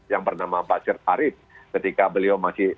yang bernama basrip arief ketika beliau masih